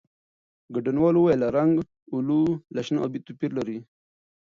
ګډونوالو وویل، رنګ "اولو" له شنه او ابي توپیر لري.